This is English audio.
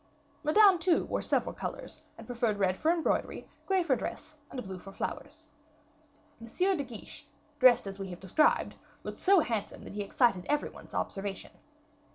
Madame, too, wore several colors, and preferred red for embroidery, gray for dress, and blue for flowers. M. de Guiche, dressed as we have described, looked so handsome that he excited every one's observation.